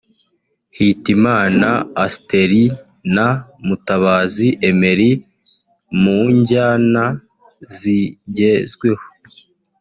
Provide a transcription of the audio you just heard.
Hitimana Astelie na Mutabazi Emery (mu njyana zigezweho)